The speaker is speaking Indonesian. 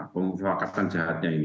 pemufakatan jahatnya ini